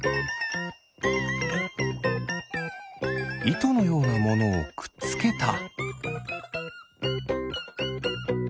いとのようなものをくっつけた。